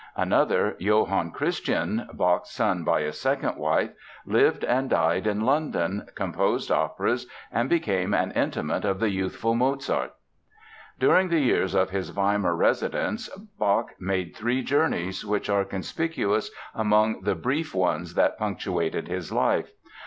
Another, Johann Christian (Bach's son by his second wife), lived and died in London, composed operas, and became an intimate of the youthful Mozart. During the years of his Weimar residence Bach made three journeys which are conspicuous among the brief ones that punctuated his life.